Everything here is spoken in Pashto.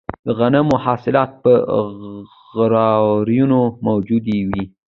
د غنمو حاصلات په خروارونو موجود وي